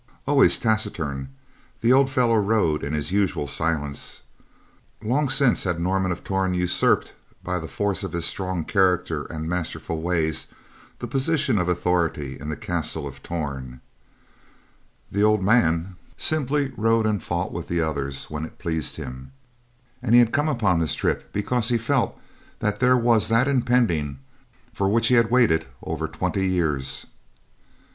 Always taciturn, the old fellow rode in his usual silence. Long since had Norman of Torn usurped by the force of his strong character and masterful ways, the position of authority in the castle of Torn. The old man simply rode and fought with the others when it pleased him; and he had come on this trip because he felt that there was that impending for which he had waited over twenty years.